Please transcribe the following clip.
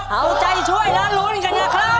เอาใจช่วยแล้วลุ้นกันอย่างไรครับ